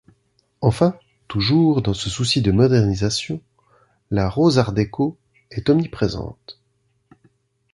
Enfin, toujours dans ce souci de modernisation, la rose Art déco est omniprésente.